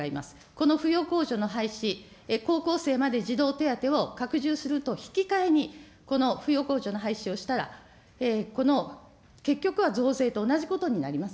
この扶養控除の廃止、高校生まで児童手当を拡充すると引き換えに、この扶養控除の廃止をしたら、結局は増税と同じことになります。